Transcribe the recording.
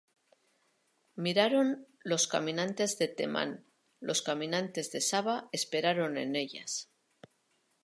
Miraron los caminantes de Temán, Los caminantes de Saba esperaron en ellas: